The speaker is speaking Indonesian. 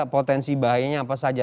potensi bahayanya apa saja